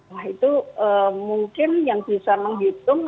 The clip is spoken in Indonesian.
nah itu mungkin yang susah menghitung